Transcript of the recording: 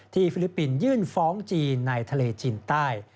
ฟิลิปปินส์ยื่นฟ้องจีนในทะเลจีนใต้